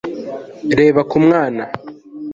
Reba ku mwana